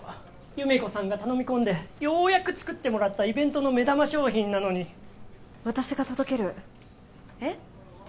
優芽子さんが頼み込んでようやく作ってもらったイベントの目玉商品なのに私が届けるえっ？